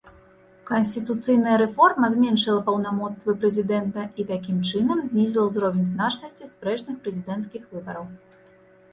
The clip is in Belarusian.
Канстытуцыйная рэформа зменшыла паўнамоцтвы прэзідэнта, і, такім чынам, знізіла ўзровень значнасці спрэчных прэзідэнцкіх выбараў.